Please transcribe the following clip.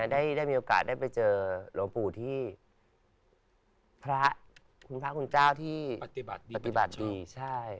ได้มีโอกาสได้ไปเจอหลวงปู่ที่พระคุณพระคุณเจ้าที่ปฏิบัติดีใช่